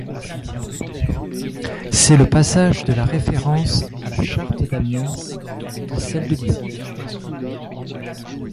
C’est le passage de la référence à la charte d’Amiens à celle de Lyon.